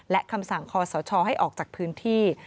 และคำสั่งคอสชให้ออกจากพื้นที่